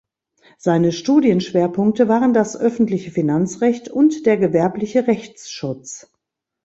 Seine Studienschwerpunkte waren das öffentliche Finanzrecht und der gewerbliche Rechtsschutz.